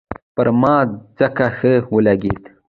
پر ما ځکه ښه ولګېد.